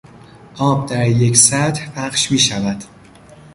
آب در یک سطح پخش میشود.